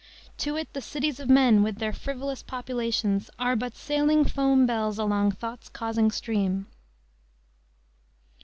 To it the cities of men, with their "frivolous populations," "... are but sailing foam bells Along thought's causing stream."